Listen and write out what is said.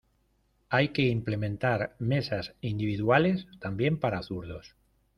Hay que implementar mesas individuales también para zurdos.